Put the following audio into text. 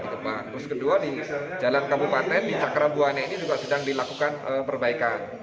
terus kedua di jalan kabupaten di cakrabuane ini juga sedang dilakukan perbaikan